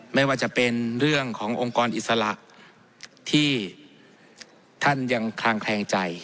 ไม่ว่าจะเป็นเรื่องขององค์กรอิสระที่ท่านยังคลางแคลงใจ